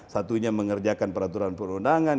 satunya mengerjakan peraturan perundangan